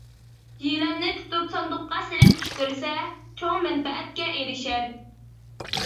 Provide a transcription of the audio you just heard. يىلاننى تۇتۇپ ساندۇققا سېلىپ چۈش كۆرسە، چوڭ مەنپەئەتكە ئېرىشەر.